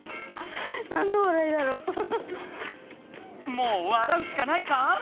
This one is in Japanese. もう笑うしかないか？